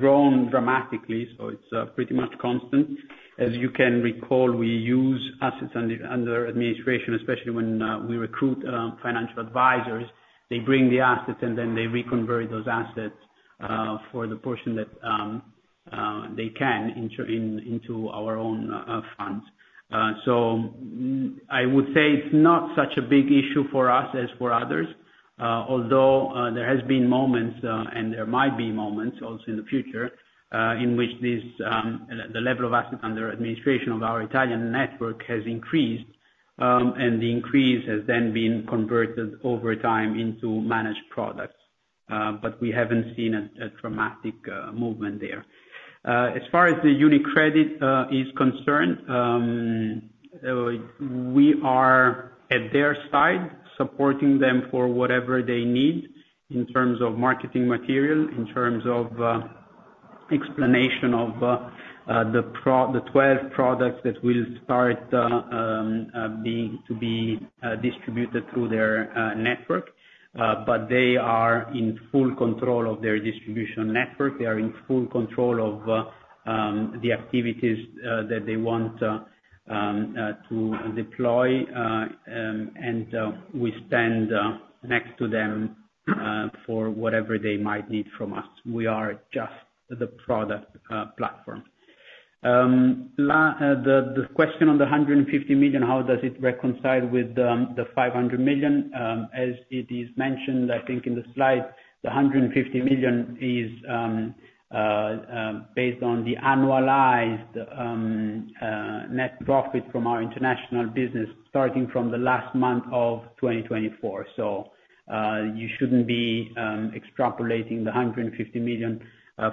grown dramatically, so it's pretty much constant. As you can recall, we use assets under administration, especially when we recruit financial advisors. They bring the assets, and then they reconvert those assets for the portion that they can introduce into our own funds. So I would say it's not such a big issue for us as for others, although there has been moments and there might be moments also in the future in which the level of assets under administration of our Italian network has increased. And the increase has then been converted over time into managed products, but we haven't seen a dramatic movement there. As far as the UniCredit is concerned, we are at their side, supporting them for whatever they need in terms of marketing material, in terms of explanation of the 12 products that will start being distributed through their network. But they are in full control of their distribution network. They are in full control of the activities that they want to deploy, and we stand next to them for whatever they might need from us. We are just the product platform. The question on the 150 million, how does it reconcile with the 500 million? As it is mentioned, I think in the slide, the 150 million is based on the annualized net profit from our international business, starting from the last month of 2024. So, you shouldn't be extrapolating the 150 million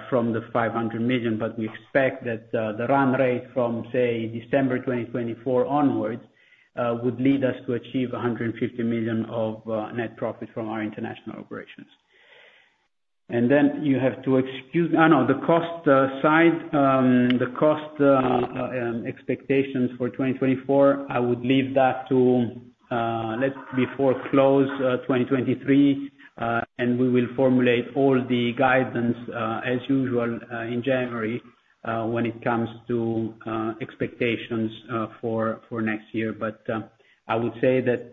from the 500 million, but we expect that the run rate from, say, December 2024 onwards would lead us to achieve 150 million of net profit from our international operations. And then you have to excuse— Oh, no, the cost side. The cost expectations for 2024, I would leave that to the full-year close of 2023, and we will formulate all the guidance as usual in January when it comes to expectations for next year. But, I would say that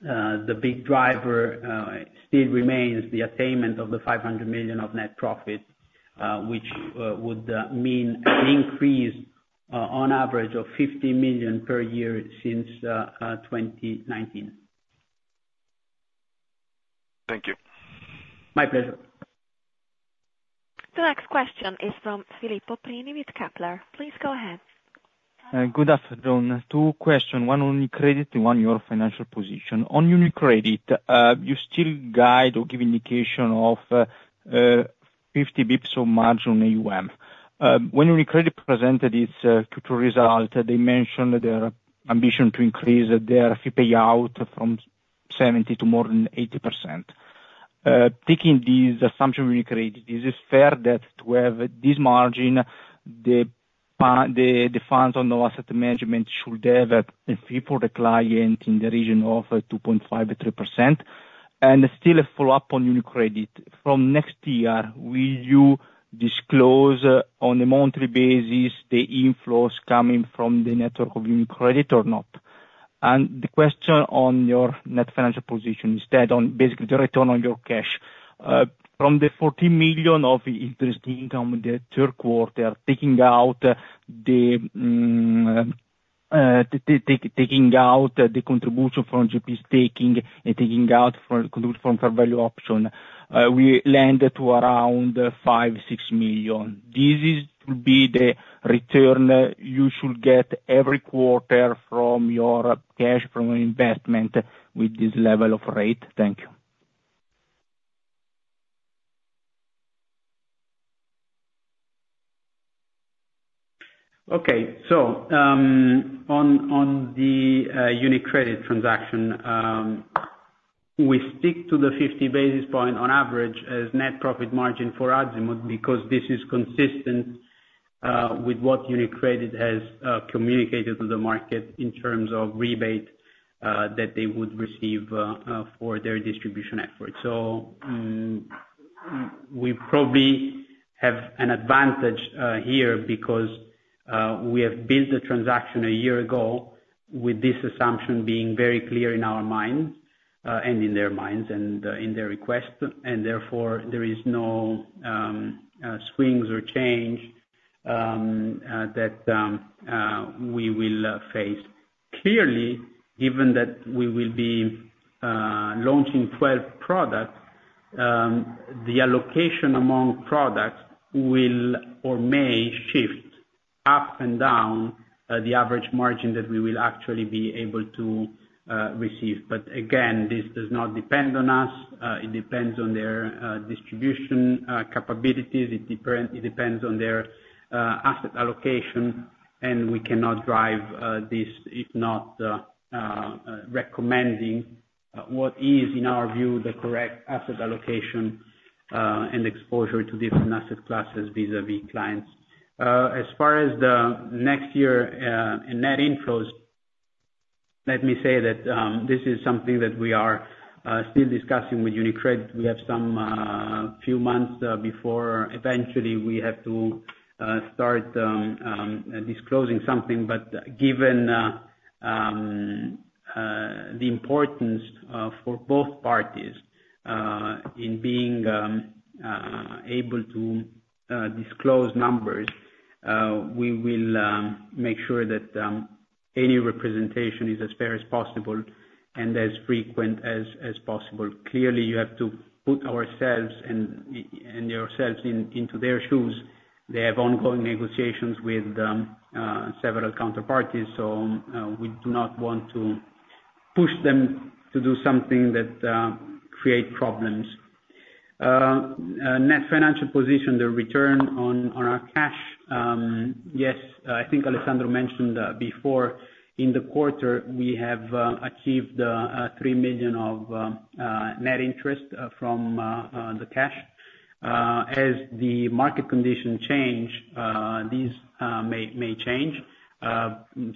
the big driver still remains the attainment of 500 million of net profit, which would mean an increase on average of 50 million per year since 2019. Thank you. My pleasure. The next question is from Filippo Prini with Kepler. Please go ahead. Good afternoon. Two questions, one on UniCredit and one on your financial position. On UniCredit, you still guide or give indication of 50 basis points on margin AUM. When UniCredit presented its total result, they mentioned their ambition to increase their fee payout from 70% to more than 80%. Taking this assumption with UniCredit, is it fair that to have this margin, the funds on the asset management should have a fee for the client in the region of 2.5% or 3%? And still a follow-up on UniCredit. From next year, will you disclose on a monthly basis the inflows coming from the network of UniCredit or not? And the question on your net financial position, instead on basically the return on your cash. From the 14 million of interest income in the third quarter, taking out the contribution from GP staking and taking out the contribution from fair value option, we land at around 5-6 million. This is to be the return you should get every quarter from your cash, from investment with this level of rate? Thank you. Okay. So, on the UniCredit transaction, we stick to the 50 basis point on average as net profit margin for Azimut, because this is consistent with what UniCredit has communicated to the market in terms of rebate that they would receive for their distribution effort. So, we probably have an advantage here, because we have built the transaction a year ago with this assumption being very clear in our minds and in their minds and in their request, and therefore, there is no swings or change that we will face. Clearly, given that we will be launching 12 products, the allocation among products will or may shift up and down the average margin that we will actually be able to receive. But again, this does not depend on us, it depends on their distribution capabilities. It depends on their asset allocation, and we cannot drive this, if not recommending what is, in our view, the correct asset allocation and exposure to different asset classes vis-a-vis clients. As far as the next year in net inflows, let me say that this is something that we are still discussing with UniCredit. We have some few months before eventually we have to start disclosing something. But given the importance for both parties in being able to disclose numbers, we will make sure that any representation is as fair as possible and as frequent as possible. Clearly, you have to put ourselves and yourselves into their shoes. They have ongoing negotiations with several counterparties, so we do not want to push them to do something that create problems. Net financial position, the return on our cash, yes, I think Alessandro mentioned before, in the quarter, we have achieved 3 million of net interest from the cash. As the market conditions change, these may change.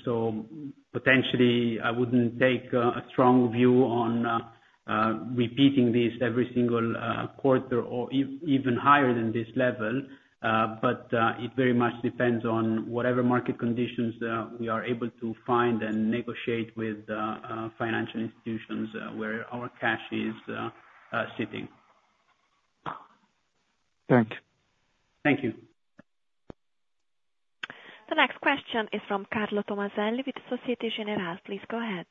So potentially, I wouldn't take a strong view on repeating this every single quarter or even higher than this level. But it very much depends on whatever market conditions we are able to find and negotiate with financial institutions where our cash is sitting. Thanks. Thank you. The next question is from Carlo Tommaselli with Société Générale. Please go ahead.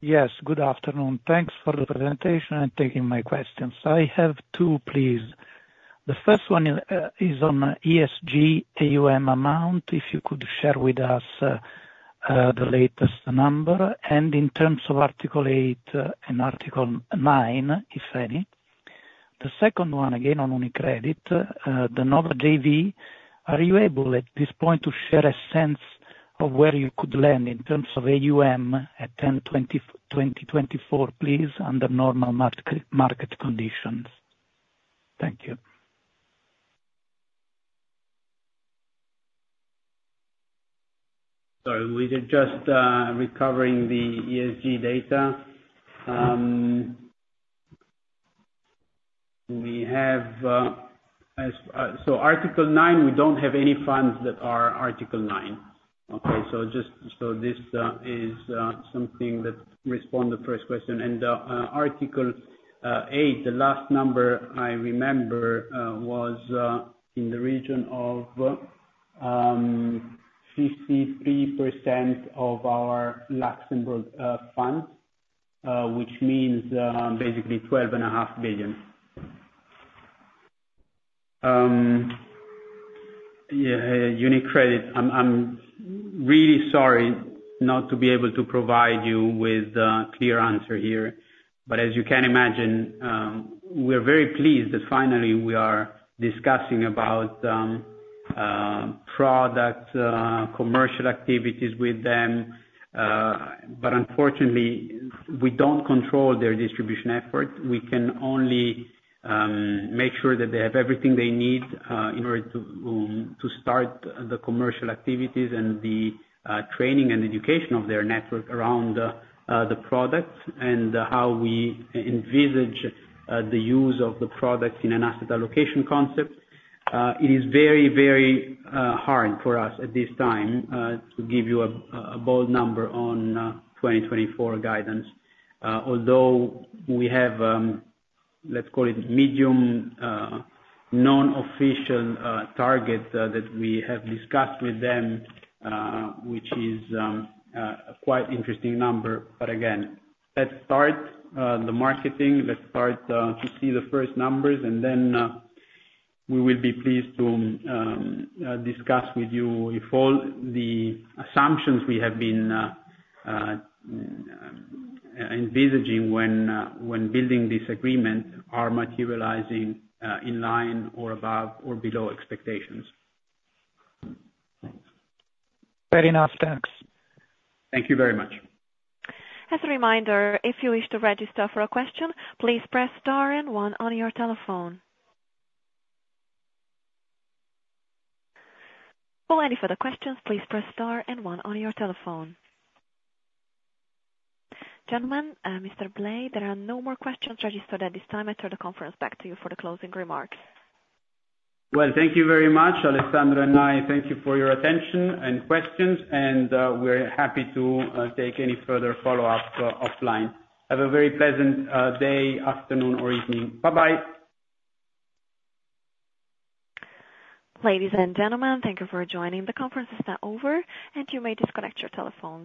Yes, good afternoon. Thanks for the presentation and taking my questions. I have two, please. The first one is on ESG AUM amount, if you could share with us, the latest number, and in terms of Article 8, and Article 9, if any. The second one, again, on UniCredit, the Nova JV. Are you able, at this point, to share a sense of where you could land in terms of AUM at 10/20/2024, please, under normal market conditions? Thank you. Sorry, we are just recovering the ESG data. We have, as, so Article 9, we don't have any funds that are Article 9. Okay, so just, so this is something that respond the first question, and Article 8, the last number I remember was in the region of 53% of our Luxembourg fund, which means basically 12.5 billion. Yeah, UniCredit, I'm really sorry not to be able to provide you with a clear answer here, but as you can imagine, we're very pleased that finally we are discussing about product commercial activities with them. But unfortunately, we don't control their distribution efforts. We can only make sure that they have everything they need in order to start the commercial activities and the training and education of their network around the product, and how we envisage the use of the products in an asset allocation concept. It is very, very hard for us at this time to give you a bold number on 2024 guidance. Although we have, let's call it medium, non-official target that we have discussed with them, which is a quite interesting number. But again, let's start to see the first numbers, and then we will be pleased to discuss with you if all the assumptions we have been envisaging when building this agreement are materializing in line or above or below expectations. Fair enough, thanks. Thank you very much. As a reminder, if you wish to register for a question, please press star and one on your telephone. For any further questions, please press star and one on your telephone. Gentlemen, Mr. Blei, there are no more questions registered at this time. I turn the conference back to you for the closing remarks. Well, thank you very much, Alessandro and I thank you for your attention and questions, and we're happy to take any further follow-up offline. Have a very pleasant day, afternoon, or evening. Bye-bye. Ladies and gentlemen, thank you for joining. The conference is now over, and you may disconnect your telephones.